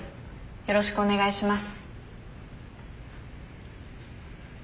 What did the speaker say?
よろしくお願いします。